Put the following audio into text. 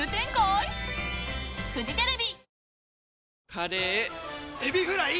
カレーエビフライ！